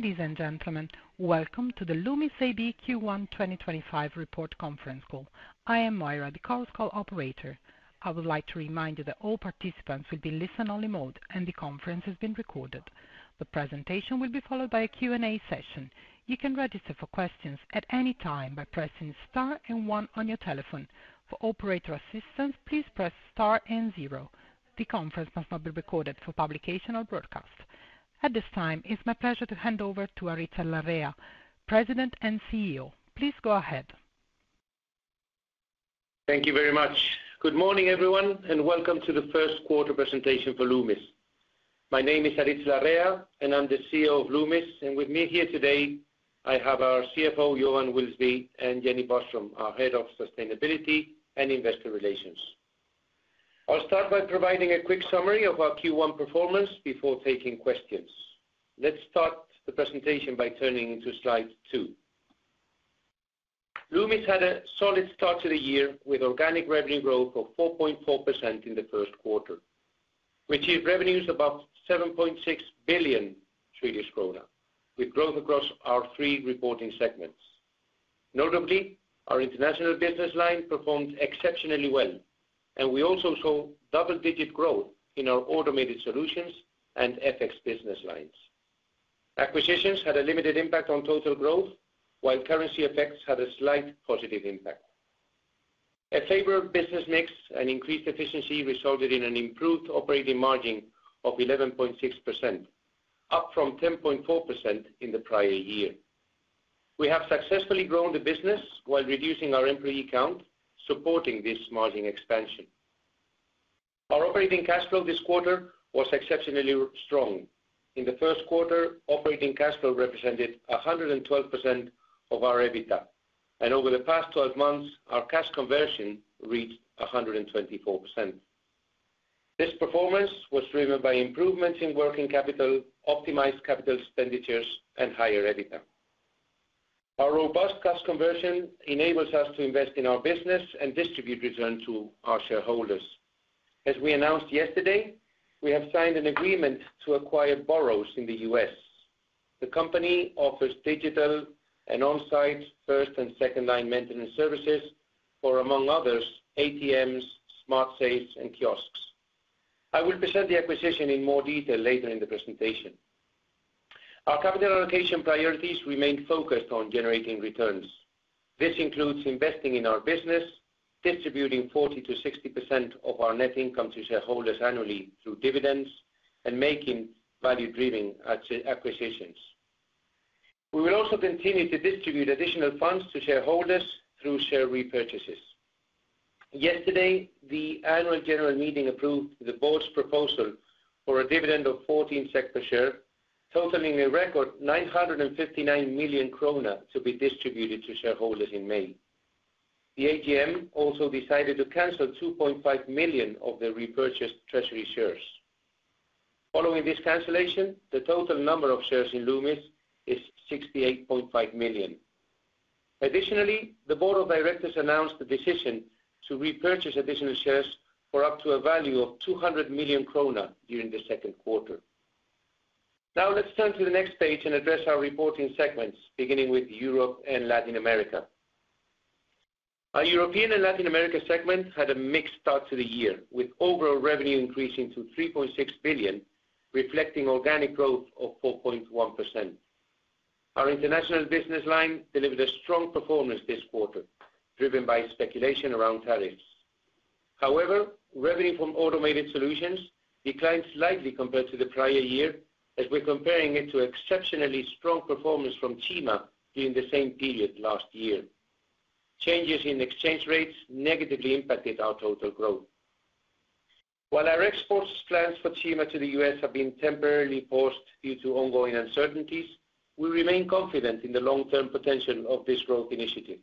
Ladies and gentlemen, welcome to the Loomis AB Q1 2025 Report Conference Call. I am Maira, the call's call operator. I would like to remind you that all participants will be in listen-only mode, and the conference is being recorded. The presentation will be followed by a Q&A session. You can register for questions at any time by pressing Star and one on your telephone. For operator assistance, please press Star and zero. The conference must not be recorded for publication or broadcast. At this time, it's my pleasure to hand over to Aritz Larrea, President and CEO. Please go ahead. Thank you very much. Good morning, everyone, and welcome to the first quarter presentation for Loomis. My name is Aritz Larrea, and I'm the CEO of Loomis. With me here today, I have our CFO, Johan Wilsby, and Jenny Bostrom, our Head of Sustainability and Investor Relations. I'll start by providing a quick summary of our Q1 performance before taking questions. Let's start the presentation by turning to slide two. Loomis had a solid start to the year with Organic revenue growth of 4.4% in the first quarter, which is revenues above 7.6 billion Swedish krona, with growth across our three reporting segments. Notably, our international business line performed exceptionally well, and we also saw double-digit growth in our automated solutions and FX business lines. Acquisitions had a limited impact on total growth, while currency effects had a slight positive impact.A favorable business mix and increased efficiency resulted in an improved Operating margin of 11.6%, up from 10.4% in the prior year. We have successfully grown the business while reducing our employee count, supporting this margin expansion. Our operating cash flow this quarter was exceptionally strong. In the first quarter, operating cash flow represented 112% of our EBITDA, and over the past 12 months, our cash conversion reached 124%. This performance was driven by improvements in working capital, optimized capital expenditures, and higher EBITDA. Our robust cash conversion enables us to invest in our business and distribute returns to our shareholders. As we announced yesterday, we have signed an agreement to acquire Burroughs in the U.S. The company offers digital and on-site first and second-line maintenance services for, among others, ATMs, Smart safes, and Kiosks. I will present the acquisition in more detail later in the presentation. Our capital allocation priorities remain focused on generating returns. This includes investing in our business, distributing 40%-60% of our net income to shareholders annually through dividends, and making value-driven acquisitions. We will also continue to distribute additional funds to shareholders through share repurchases. Yesterday, the annual general meeting approved the board's proposal for a dividend of 14 SEK per share, totaling a record 959 million krona to be distributed to shareholders in May. The AGM also decided to cancel 2.5 million of the repurchased treasury shares. Following this cancellation, the total number of shares in Loomis is 68.5 million. Additionally, the board of directors announced the decision to repurchase additional shares for up to a value of 200 million krona during the second quarter. Now, let's turn to the next page and address our reporting segments, beginning with Europe and Latin America.Our European and Latin America segment had a mixed start to the year, with overall revenue increasing to 3.6 billion, reflecting organic growth of 4.1%. Our international business line delivered a strong performance this quarter, driven by speculation around tariffs. However, revenue from automated solutions declined slightly compared to the prior year, as we're comparing it to exceptionally strong performance from CIMA during the same period last year. Changes in exchange rates negatively impacted our total growth. While our export plans for CIMA to the US have been temporarily paused due to ongoing uncertainties, we remain confident in the long-term potential of this growth initiative.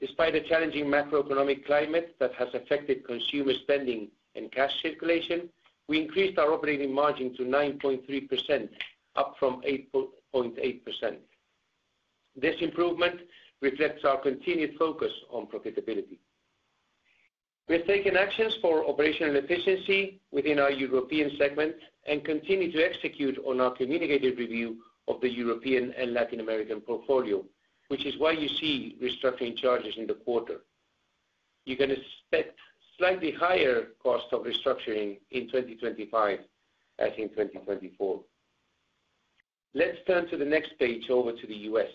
Despite a challenging macroeconomic climate that has affected consumer spending and cash circulation, we increased our Operating margin to 9.3%, up from 8.8%. This improvement reflects our continued focus on profitability. We have taken actions for operational efficiency within our European segment and continue to execute on our communicated review of the European and Latin American portfolio, which is why you see restructuring charges in the quarter. You can expect slightly higher costs of restructuring in 2025 as in 2024. Let's turn to the next page over to the U.S.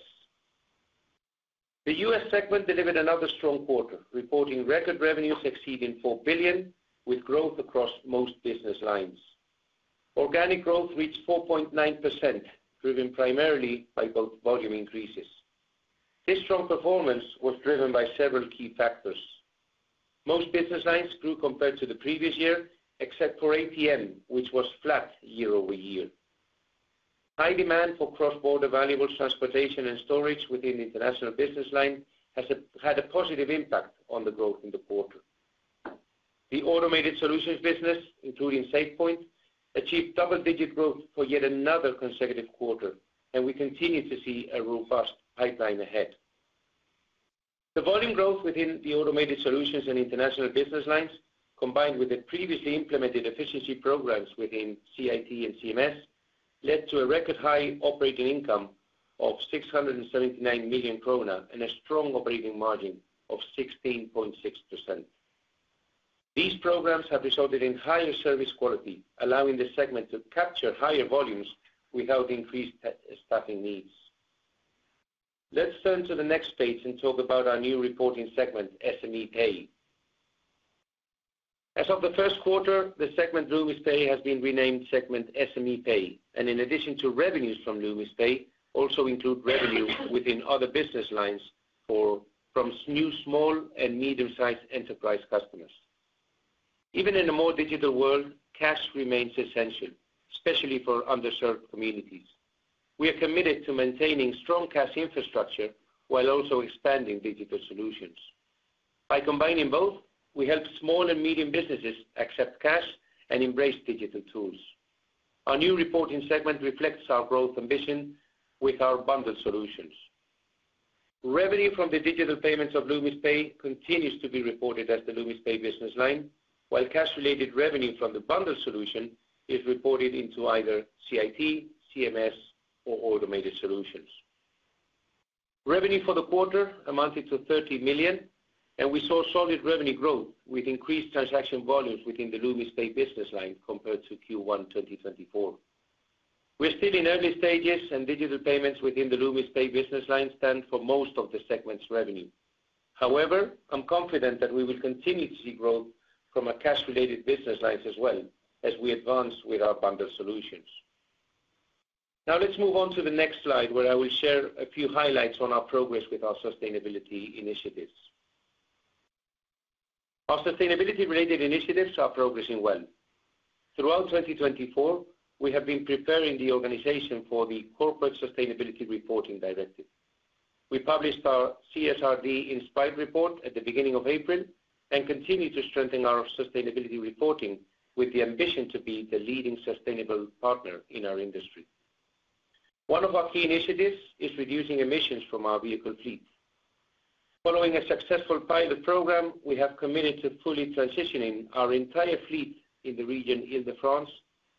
The U.S. segment delivered another strong quarter, reporting record revenues exceeding 4 billion, with growth across most business lines. Organic growth reached 4.9%, driven primarily by both volume increases. This strong performance was driven by several key factors. Most business lines grew compared to the previous year, except for ATM, which was flat year over year. High demand for cross-border valuable transportation and storage within the international business line has had a positive impact on the growth in the quarter. The automated solutions business, including Safepoint, achieved double-digit growth for yet another consecutive quarter, and we continue to see a robust pipeline ahead. The volume growth within the automated solutions and international business lines, combined with the previously implemented efficiency programs within CIT and CMS, led to a record high operating income of 679 million krona and a strong Operating margin of 16.6%. These programs have resulted in higher service quality, allowing the segment to capture higher volumes without increased staffing needs. Let's turn to the next page and talk about our new reporting segment, SME Pay. As of the first quarter, the segment Loomis Pay has been renamed segment SME Pay, and in addition to revenues from Loomis Pay, also include revenue within other business lines from new small and medium-sized enterprise customers. Even in a more digital world, cash remains essential, especially for underserved communities. We are committed to maintaining strong cash infrastructure while also expanding digital solutions. By combining both, we help small and medium businesses accept cash and embrace digital tools. Our new reporting segment reflects our growth ambition with our bundled solutions. Revenue from the digital payments of Loomis Pay continues to be reported as the Loomis Pay business line, while cash-related revenue from the bundled solution is reported into either CIT, CMS, or automated solutions. Revenue for the quarter amounted to 30 million, and we saw solid revenue growth with increased transaction volumes within the Loomis Pay business line compared to Q1 2024. We're still in early stages, and digital payments within the Loomis Pay business line stand for most of the segment's revenue. However, I'm confident that we will continue to see growth from our cash-related business lines as well as we advance with our bundled solutions. Now, let's move on to the next slide, where I will share a few highlights on our progress with our sustainability initiatives. Our sustainability-related initiatives are progressing well. Throughout 2024, we have been preparing the organization for the Corporate Sustainability Reporting Directive. We published our CSRD InSPIRE report at the beginning of April and continue to strengthen our sustainability reporting with the ambition to be the leading sustainable partner in our industry. One of our key initiatives is reducing emissions from our vehicle fleet. Following a successful pilot program, we have committed to fully transitioning our entire fleet in the region Île-de-France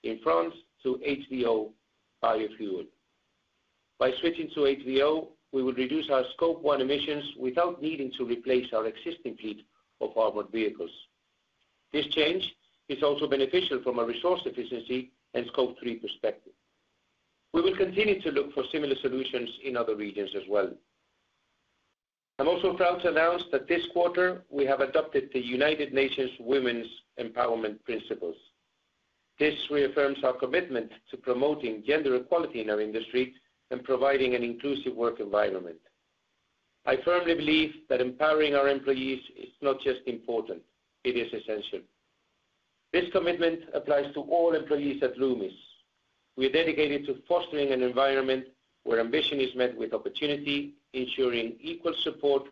in France to HVO biofuel. By switching to HVO, we will reduce our Scope 1 emissions without needing to replace our existing fleet of armored vehicles. This change is also beneficial from a resource efficiency and Scope 3 perspective. We will continue to look for similar solutions in other regions as well. I'm also proud to announce that this quarter, we have adopted the United Nations Women's Empowerment Principles. This reaffirms our commitment to promoting gender equality in our industry and providing an inclusive work environment. I firmly believe that empowering our employees is not just important; it is essential. This commitment applies to all employees at Loomis. We are dedicated to fostering an environment where ambition is met with opportunity, ensuring equal support,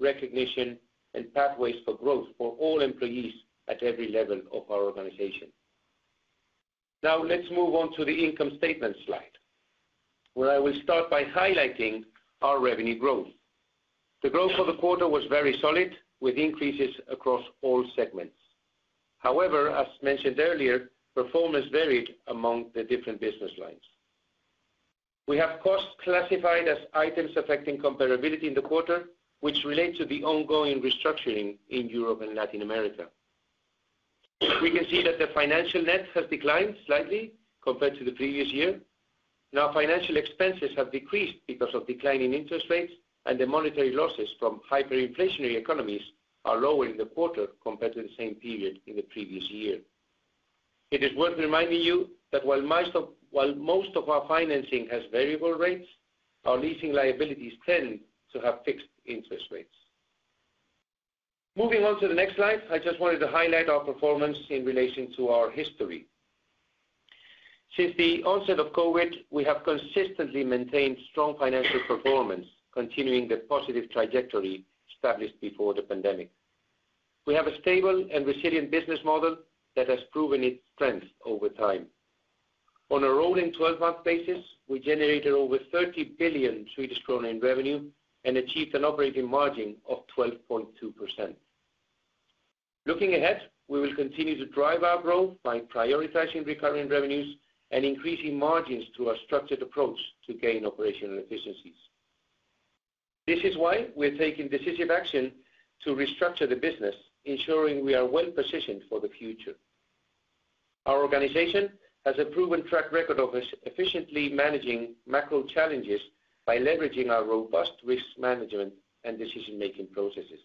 recognition, and pathways for growth for all employees at every level of our organization. Now, let's move on to the income statement slide, where I will start by highlighting our revenue growth. The growth for the quarter was very solid, with increases across all segments. However, as mentioned earlier, performance varied among the different business lines. We have costs classified as items affecting comparability in the quarter, which relate to the ongoing restructuring in Europe and Latin America. We can see that the financial net has declined slightly compared to the previous year. Now, financial expenses have decreased because of declining interest rates, and the monetary losses from hyperinflationary economies are lower in the quarter compared to the same period in the previous year. It is worth reminding you that while most of our financing has variable rates, our leasing liabilities tend to have fixed interest rates. Moving on to the next slide, I just wanted to highlight our performance in relation to our history. Since the onset of COVID, we have consistently maintained strong financial performance, continuing the positive trajectory established before the pandemic. We have a stable and resilient business model that has proven its strength over time. On a rolling 12-month basis, we generated over 30 billion Swedish krona in revenue and achieved an Operating margin of 12.2%. Looking ahead, we will continue to drive our growth by prioritizing recurring revenues and increasing margins through our structured approach to gain operational efficiencies. This is why we're taking decisive action to restructure the business, ensuring we are well-positioned for the future. Our organization has a proven track record of efficiently managing macro challenges by leveraging our robust risk management and decision-making processes.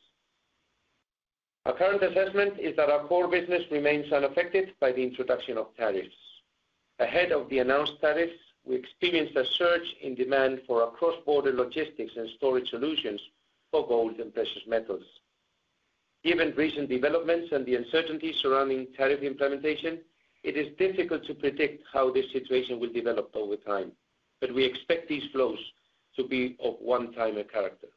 Our current assessment is that our core business remains unaffected by the introduction of tariffs. Ahead of the announced tariffs, we experienced a surge in demand for our cross-border logistics and storage solutions for gold and precious metals. Given recent developments and the uncertainty surrounding tariff implementation, it is difficult to predict how this situation will develop over time, but we expect these flows to be of one-timer character.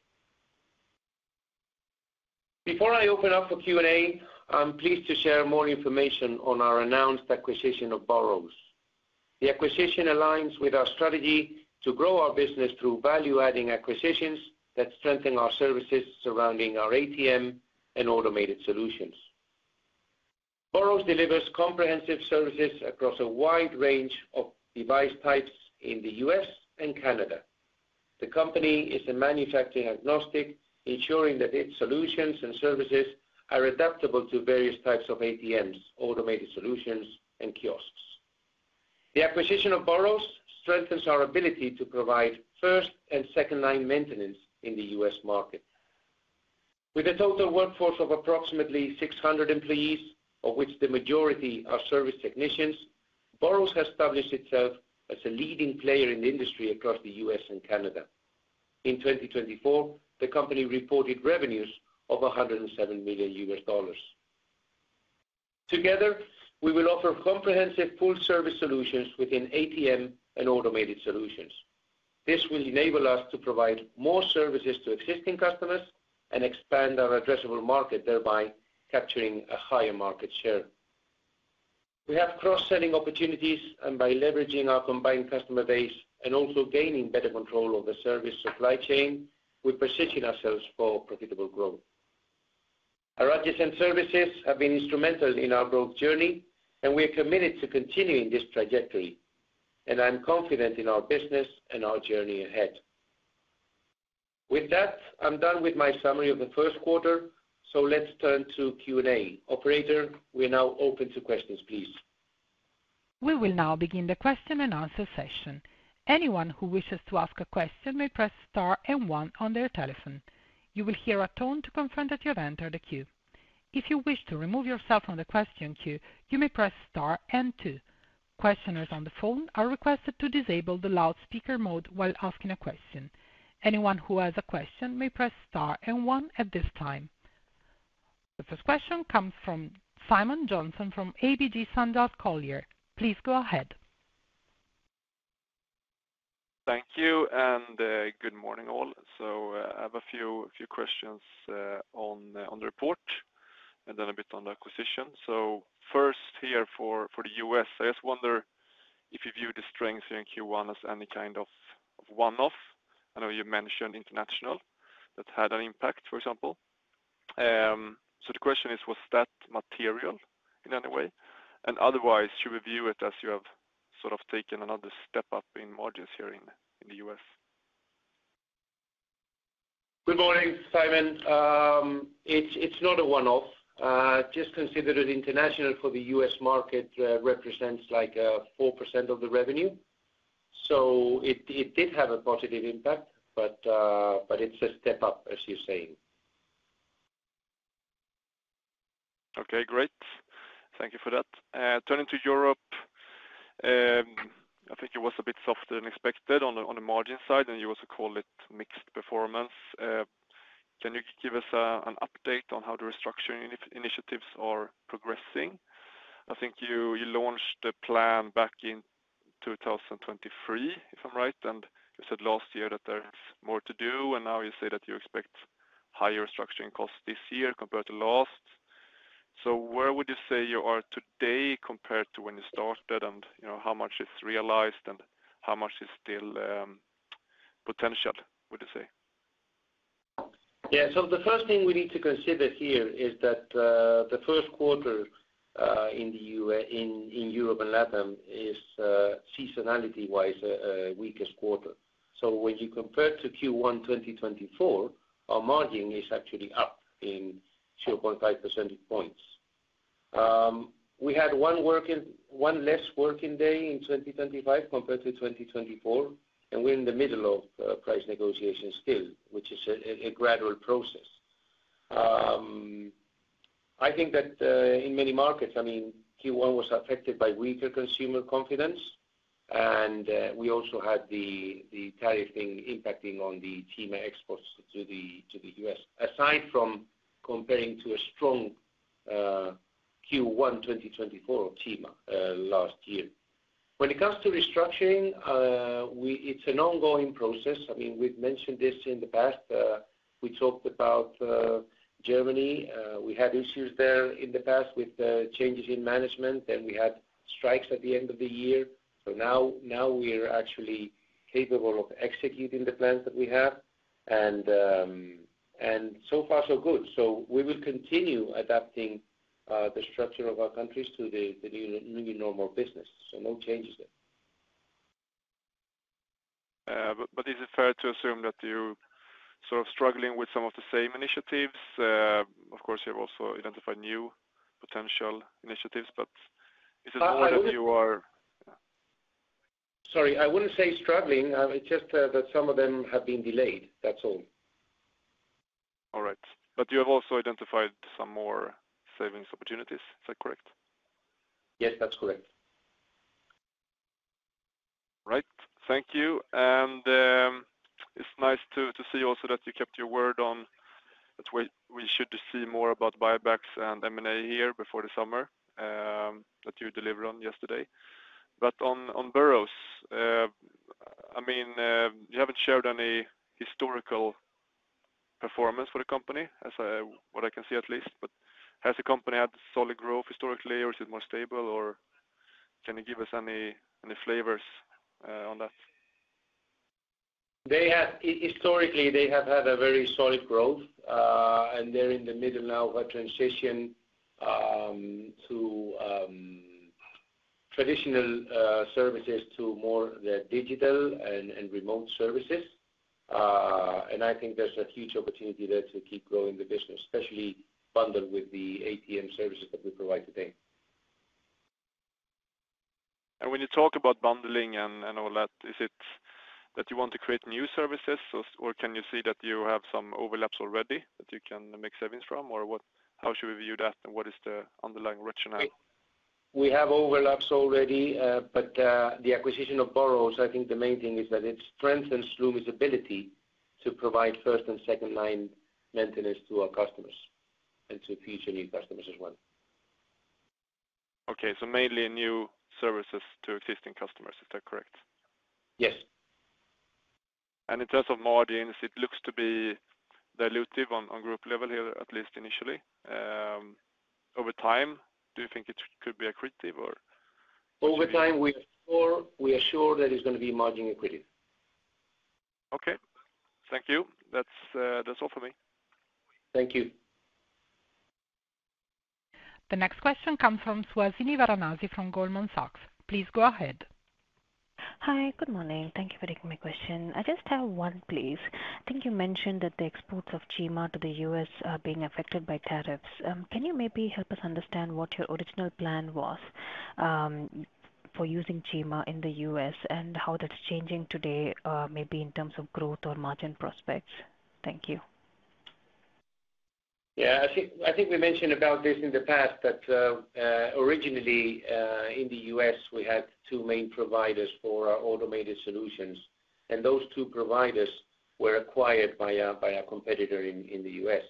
Before I open up for Q&A, I'm pleased to share more information on our announced acquisition of Burroughs. The acquisition aligns with our strategy to grow our business through value-adding acquisitions that strengthen our services surrounding our ATM and automated solutions. Burroughs delivers comprehensive services across a wide range of device types in the U.S. and Canada. The company is manufacturing agnostic, ensuring that its solutions and services are adaptable to various types of ATMs, automated solutions, and Kiosks. The acquisition of Burroughs strengthens our ability to provide first and second-line maintenance in the U.S. market. With a total workforce of approximately 600 employees, of which the majority are service technicians, Burroughs has established itself as a leading player in the industry across the U.S. and Canada. In 2024, the company reported revenues of $107 million. Together, we will offer comprehensive full-service solutions within ATM and automated solutions. This will enable us to provide more services to existing customers and expand our addressable market, thereby capturing a higher market share. We have cross-selling opportunities, and by leveraging our combined customer base and also gaining better control of the service supply chain, we're positioning ourselves for profitable growth. Our adjacent services have been instrumental in our growth journey, and we are committed to continuing this trajectory. I am confident in our business and our journey ahead. With that, I'm done with my summary of the first quarter, so let's turn to Q&A. Operator, we're now open to questions, please. We will now begin the question-and-answer session. Anyone who wishes to ask a question may press Star and on on their telephone. You will hear a tone to confirm that you have entered a queue. If you wish to remove yourself from the question queue, you may press Star and two. Questioners on the phone are requested to disable the loudspeaker mode while asking a question. Anyone who has a question may press Star and two at this time. The first question comes from Simon Jönsson from ABG Sundal Collier. Please go ahead. Thank you, and good morning all. I have a few questions on the report and then a bit on the acquisition. First here for the U.S., I just wonder if you view the strengths here in Q1 as any kind of one-off. I know you mentioned international that had an impact, for example. The question is, was that material in any way? Otherwise, should we view it as you have sort of taken another step up in margins here in the U.S.? Good morning, Simon. It's not a one-off. Just consider that international for the U.S. market represents like 4% of the revenue. It did have a positive impact, but it's a step up, as you're saying. Okay, great. Thank you for that. Turning to Europe, I think it was a bit softer than expected on the margin side, and you also called it mixed performance. Can you give us an update on how the restructuring initiatives are progressing? I think you launched the plan back in 2023, if I'm right, and you said last year that there's more to do, and now you say that you expect higher structuring costs this year compared to last. Where would you say you are today compared to when you started, and how much is realized, and how much is still potential, would you say? Yeah, the first thing we need to consider here is that the first quarter in Europe and Latin is seasonality-wise the weakest quarter. When you compare to Q1 2024, our margin is actually up in 0.5 percentage points. We had one less working day in 2025 compared to 2024, and we're in the middle of price negotiations still, which is a gradual process. I think that in many markets, I mean, Q1 was affected by weaker consumer confidence, and we also had the tariff thing impacting on the CIMA exports to the U.S., aside from comparing to a strong Q1 2024 of CIMA last year. When it comes to restructuring, it's an ongoing process. I mean, we've mentioned this in the past. We talked about Germany. We had issues there in the past with changes in management, and we had strikes at the end of the year. Now we're actually capable of executing the plans that we have, and so far, so good. We will continue adapting the structure of our countries to the new normal business, so no changes there. Is it fair to assume that you're sort of struggling with some of the same initiatives? Of course, you have also identified new potential initiatives, but is it more that you are? Sorry, I would not say struggling. It is just that some of them have been delayed. That is all. All right. You have also identified some more savings opportunities. Is that correct? Yes, that is correct. Right. Thank you. It is nice to see also that you kept your word on that we should see more about buybacks and M&A here before the summer that you delivered on yesterday. On Burroughs, I mean, you have not shared any historical performance for the company, what I can see at least. Has the company had solid growth historically, or is it more stable, or can you give us any flavors on that? Historically, they have had a very solid growth, and they are in the middle now of a transition to traditional services to more digital and remote services. I think there's a huge opportunity there to keep growing the business, especially bundled with the ATM services that we provide today. When you talk about bundling and all that, is it that you want to create new services, or can you see that you have some overlaps already that you can make savings from, or how should we view that, and what is the underlying rationale? We have overlaps already, but the acquisition of Burroughs, I think the main thing is that it strengthens Loomis' ability to provide first and second-line maintenance to our customers and to future new customers as well. Okay, so mainly new services to existing customers. Is that correct? Yes. In terms of margins, it looks to be dilutive on group level here, at least initially. Over time, do you think it could be accretive, or? Over time, we are sure this is going to be margin accretive. Okay. Thank you. That's all for me. Thank you. The next question comes from Suhasini Varanasi from Goldman Sachs. Please go ahead. Hi, good morning. Thank you for taking my question. I just have one, please. I think you mentioned that the exports of CIMA to the U.S. are being affected by tariffs. Can you maybe help us understand what your original plan was for using CIMA in the U.S. and how that's changing today, maybe in terms of growth or margin prospects? Thank you. Yeah, I think we mentioned about this in the past, but originally in the U.S., we had two main providers for automated solutions, and those two providers were acquired by a competitor in the U.S.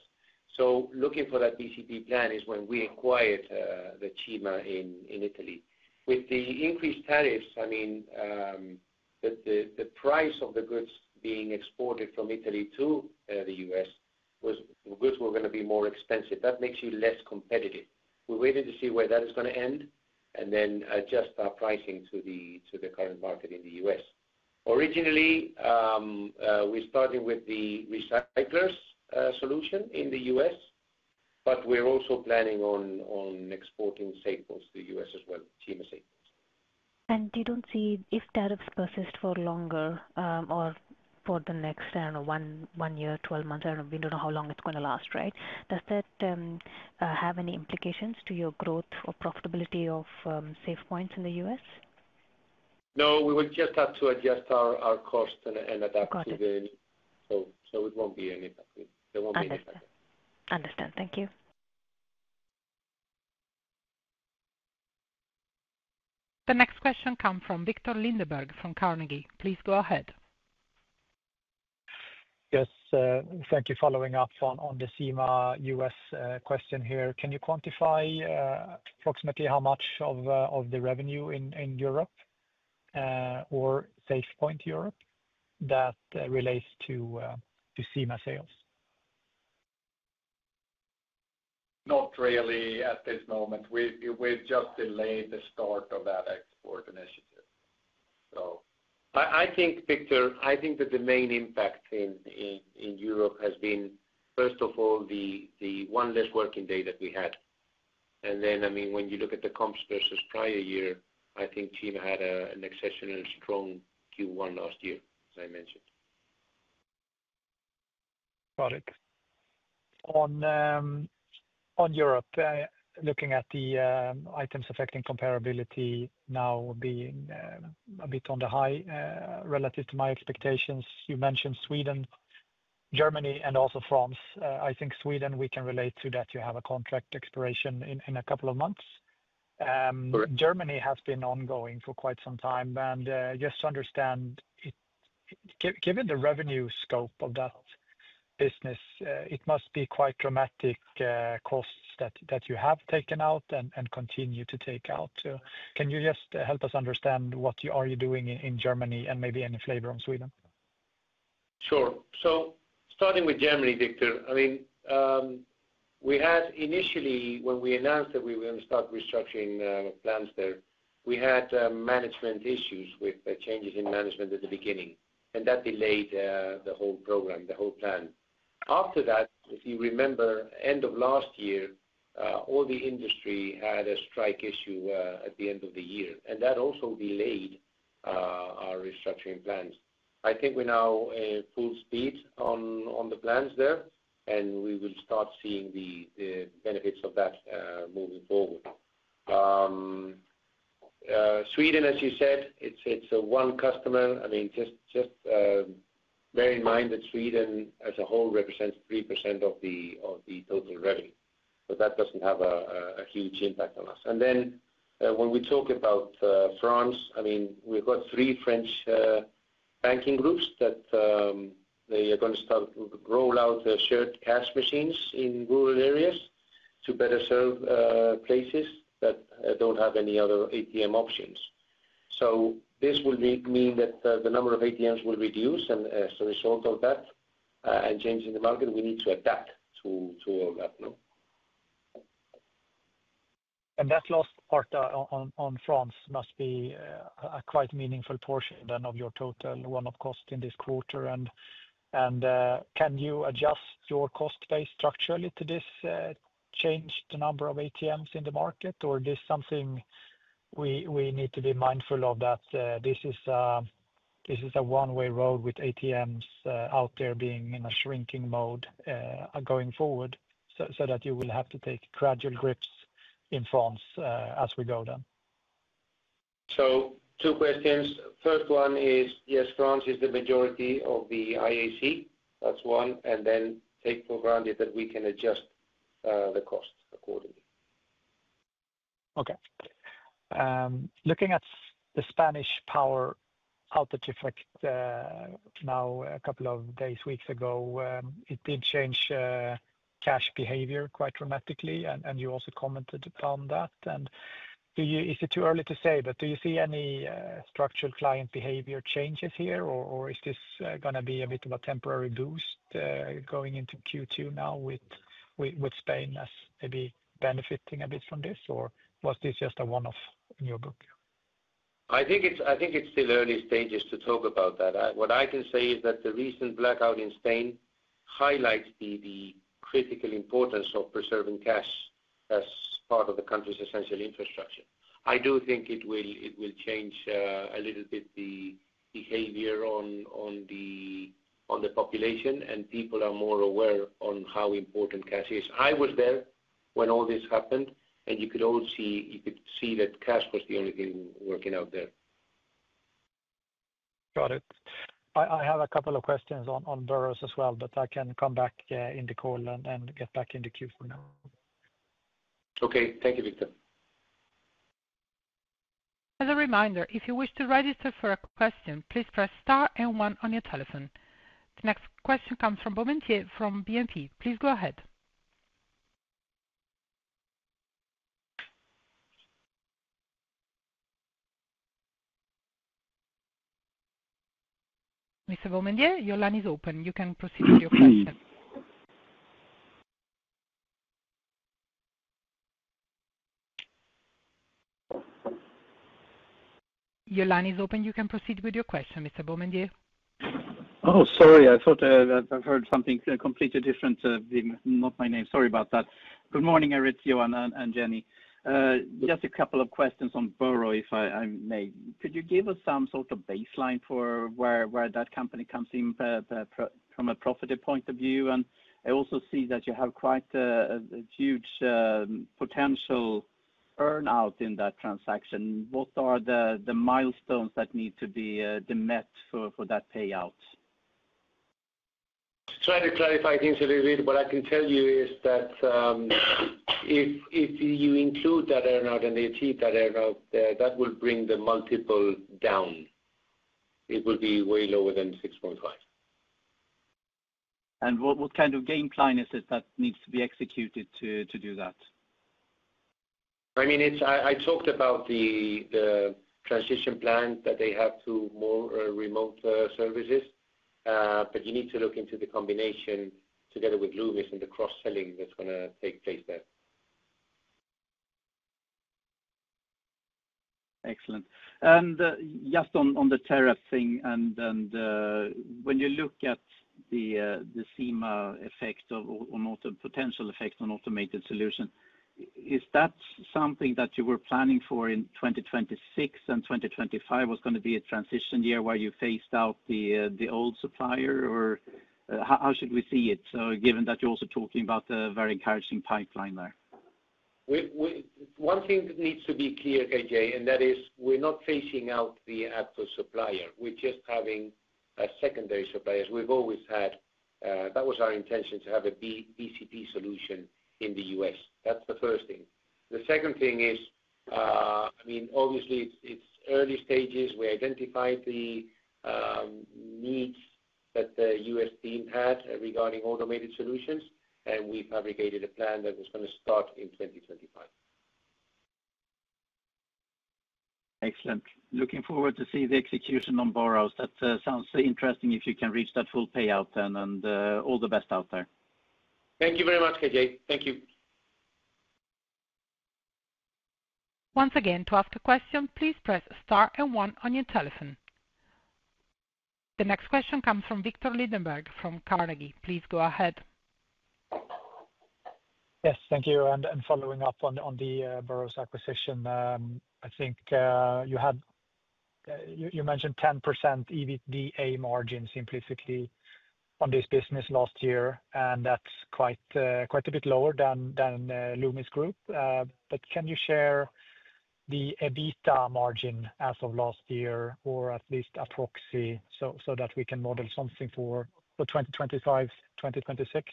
Looking for that BCP plan is when we acquired CIMA in Italy. With the increased tariffs, I mean, the price of the goods being exported from Italy to the U.S. was. The goods were going to be more expensive. That makes you less competitive. We waited to see where that is going to end and then adjust our pricing to the current market in the U.S. Originally, we started with the Recyclers solution in the U.S., but we're also planning on exporting staples to the U.S. as well, CIMA staples. You do not see if tariffs persist for longer or for the next, I do not know, one year, 12 months, I do not know. We do not know how long it is going to last, right? Does that have any implications to your growth or profitability of Safepoint in the U.S.? No, we would just have to adjust our cost and adapt to the. It will not be an impact. There will not be an impact. Understand. Thank you. The next question comes from Victor Lindeberg from Carnegie. Please go ahead. Yes, thank you for following up on the CIMA U.S. question here. Can you quantify approximately how much of the revenue in Europe or SafePoint Europe that relates to CIMA sales? Not really at this moment. We've just delayed the start of that export initiative. I think, Victor, I think that the main impact in Europe has been, first of all, the one less working day that we had. I mean, when you look at the comps versus prior year, I think CIMA had an exceptionally strong Q1 last year, as I mentioned. Got it. On Europe, looking at the Items affecting comparability now being a bit on the high relative to my expectations, you mentioned Sweden, Germany, and also France. I think Sweden, we can relate to that. You have a contract expiration in a couple of months. Germany has been ongoing for quite some time. Just to understand, given the revenue scope of that business, it must be quite dramatic costs that you have taken out and continue to take out. Can you just help us understand what are you doing in Germany and maybe any flavor on Sweden? Sure. Starting with Germany, Victor, I mean, we had initially, when we announced that we were going to start restructuring plans there, we had management issues with changes in management at the beginning, and that delayed the whole program, the whole plan. After that, if you remember, end of last year, all the industry had a strike issue at the end of the year, and that also delayed our restructuring plans. I think we're now full speed on the plans there, and we will start seeing the benefits of that moving forward. Sweden, as you said, it's one customer. I mean, just bear in mind that Sweden as a whole represents 3% of the total revenue, but that does not have a huge impact on us. When we talk about France, I mean, we've got three French banking groups that are going to start to roll out shared cash machines in rural areas to better serve places that do not have any other ATM options. This will mean that the number of ATMs will reduce, and as a result of that and changing the market, we need to adapt to all that. That last part on France must be a quite meaningful portion then of your total one-off cost in this quarter. Can you adjust your cost base structurally to this changed number of ATMs in the market, or is this something we need to be mindful of, that this is a one-way road with ATMs out there being in a shrinking mode going forward, so that you will have to take gradual grips in France as we go then? Two questions. First one is, yes, France is the majority of the IAC. That is one. Then take for granted that we can adjust the cost accordingly. Okay. Looking at the Spanish power outage effect now a couple of days, weeks ago, it did change cash behavior quite dramatically, and you also commented upon that. Is it too early to say, but do you see any structural client behavior changes here, or is this going to be a bit of a temporary boost going into Q2 now with Spain as maybe benefiting a bit from this, or was this just a one-off in your book? I think it's still early stages to talk about that. What I can say is that the recent blackout in Spain highlights the critical importance of preserving cash as part of the country's essential infrastructure. I do think it will change a little bit the behavior on the population, and people are more aware on how important cash is. I was there when all this happened, and you could see that cash was the only thing working out there. Got it.I have a couple of questions on Burroughs as well, but I can come back in the call and get back in the Queue for now. Okay. Thank you, Victor. As a reminder, if you wish to register for a question, please press star and one on your telephone. The next question comes from Bonnevier from BNP Paribas. Please go ahead. Mr. Bonnevier, your line is open. You can proceed with your question. Your line is open. You can proceed with your question, Mr. Bonnevier. Oh, sorry. I thought I heard something completely different, not my name. Sorry about that. Good morning, Aritz, Johan and Jenny. Just a couple of questions on Burroughs, if I may. Could you give us some sort of baseline for where that company comes in from a profit point of view? And I also see that you have quite a huge potential earn-out in that transaction. What are the milestones that need to be met for that payout? Trying to clarify things a little bit, but what I can tell you is that if you include that earn-out and they achieve that earn-out, that will bring the multiple down. It will be way lower than 6.5. What kind of game plan is it that needs to be executed to do that? I mean, I talked about the transition plan that they have to more remote services, but you need to look into the combination together with Loomis and the cross-selling that is going to take place there. Excellent. Just on the tariff thing, and when you look at the CIMA effect or potential effect on automated solution, is that something that you were planning for in 2026 and 2025?Was going to be a transition year where you phased out the old supplier, or how should we see it, given that you're also talking about a very encouraging pipeline there? One thing that needs to be clear, KJ, and that is we're not phasing out the actual supplier. We're just having secondary suppliers. We've always had that was our intention to have a BCP solution in the U.S. That's the first thing. The second thing is, I mean, obviously, it's early stages. We identified the needs that the U.S. team had regarding automated solutions, and we fabricated a plan that was going to start in 2025. Excellent. Looking forward to seeing the execution on Burroughs. That sounds interesting if you can reach that full payout then, and all the best out there. Thank you very much, KJ. Thank you. Once again, to ask a question, please press star and one on your telephone. The next question comes from Victor Lindeberg from Carnegie. Please go ahead. Yes, thank you. And following up on the Burroughs acquisition, I think you mentioned 10% EBITDA margin simplistically on this business last year, and that's quite a bit lower than Loomis Group. But can you share the EBITDA margin as of last year, or at least a proxy, so that we can model something for 2025, 2026?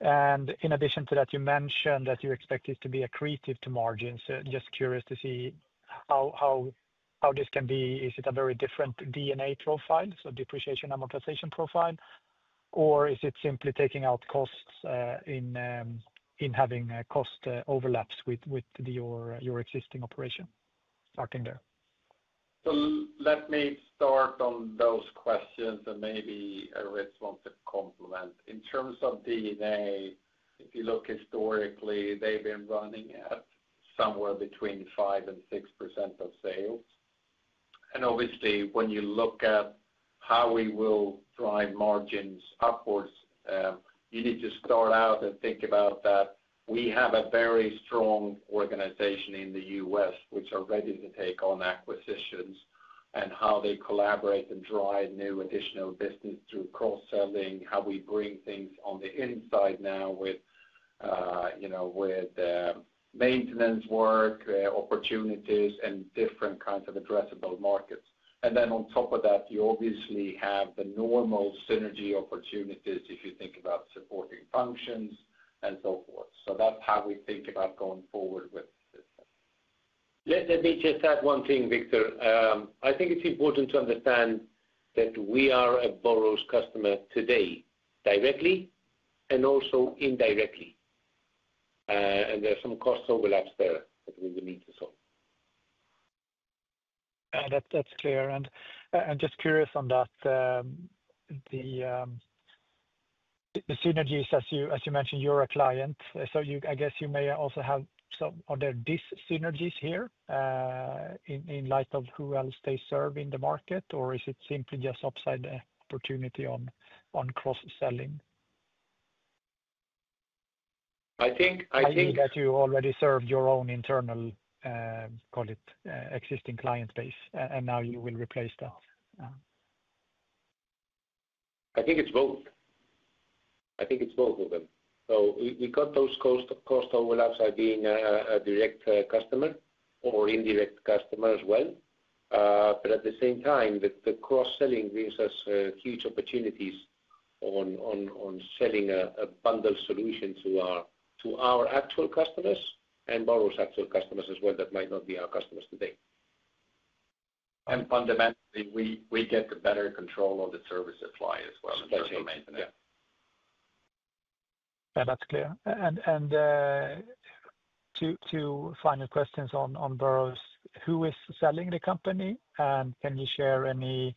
In addition to that, you mentioned that you expect it to be accretive to margins. Just curious to see how this can be. Is it a very different DNA profile, so depreciation amortization profile, or is it simply taking out costs in having cost overlaps with your existing operation starting there? Let me start on those questions, and maybe Aritz wants to complement. In terms of DNA, if you look historically, they've been running at somewhere between 5% and 6% of sales. Obviously, when you look at how we will drive margins upwards, you need to start out and think about that. We have a very strong organization in the U.S. which are ready to take on acquisitions and how they collaborate and drive new additional business through cross-selling, how we bring things on the inside now with maintenance work, opportunities, and different kinds of addressable markets. On top of that, you obviously have the normal synergy opportunities if you think about supporting functions and so forth. That is how we think about going forward with this. Let me just add one thing, Victor. I think it's important to understand that we are a Burroughs customer today directly and also indirectly, and there are some cost overlaps there that we will need to solve. That's clear. Just curious on that, the synergies, as you mentioned, you're a client, so I guess you may also have some other disynergies here in light of who else they serve in the market, or is it simply just upside opportunity on cross-selling? I think. That you already served your own internal, call it, existing client base, and now you will replace that. I think it's both. I think it's both of them. We cut those cost overlaps by being a direct customer or indirect customer as well. At the same time, the cross-selling gives us huge opportunities on selling a bundled solution to our actual customers and Burroughs' actual customers as well that might not be our customers today. Fundamentally, we get better control of the service supply as well in terms of maintenance. That's clear. Two final questions on Burroughs. Who is selling the company, and can you share any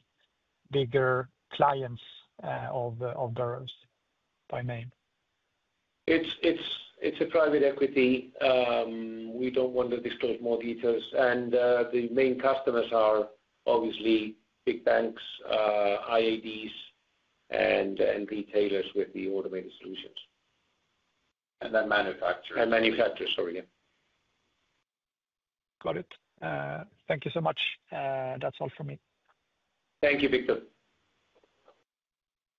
bigger clients of Burroughs by name? It's a private equity. We don't want to disclose more details. The main customers are obviously big banks, IADs, and retailers with the automated solutions. And manufacturers. And manufacturers, sorry. Got it. Thank you so much. That's all from me. Thank you, Victor.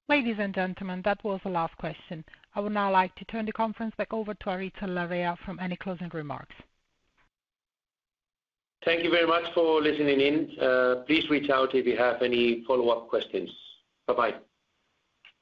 Ladies and gentlemen, that was the last question. I would now like to turn the conference back over to Aritz Larrea for any closing remarks. Thank you very much for listening in. Please reach out if you have any follow-up questions. Bye-bye.